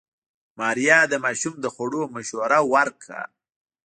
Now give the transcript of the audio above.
ماريا د ماشوم د خوړو مشوره ورکړه.